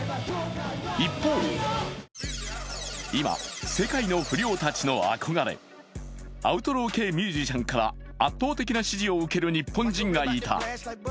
一方今、世界の不良たちの憧れ、アウトロー系ミュージシャンから圧倒的な支持を受ける日本人がいた。